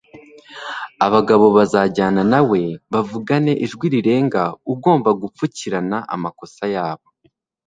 abagabo bazajyana nawe bavugane ijwi rirenga ugomba gupfukirana amakosa yabo